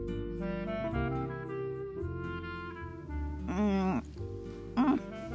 うんうん。